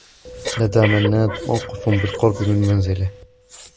لدى منّاد موقف بالقرب من منزله.